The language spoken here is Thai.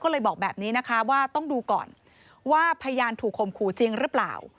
ก็เลยบอกแบบนี้นะคะว่าต้องดูก่อนว่าพยานถูกข่มขู่จริงหรือเปล่า